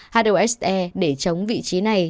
hlse để chống vị trí này